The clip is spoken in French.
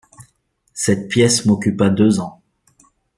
Cette pièce m'occupa deux ans.